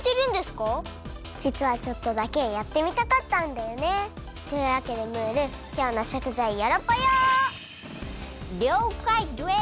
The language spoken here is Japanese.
じつはちょっとだけやってみたかったんだよね。というわけでムールきょうのしょくざいよろぽよ！りょうかいです！